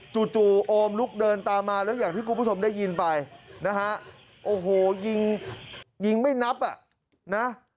จู่โอมลุกเดินตามมาแล้วอย่างที่คุณผู้ชมได้ยินไปนะฮะโอ้โหยิงยิงไม่นับอ่ะนะ